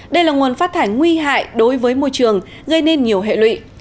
đây là nguồn phát thải nguy hại đối với môi trường gây nên nhiều hệ lụy